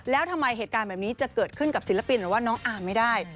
แล้วทำไมเหตุการณ์แบบนี้จะเกิดขึ้นกับศิลปินหรือว่าน้องอาร์มไม่ได้